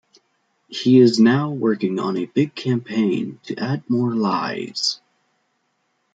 He is now working on a big campaign to add more lies.